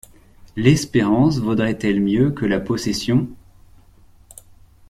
L’espérance vaudrait-elle mieux que la possession?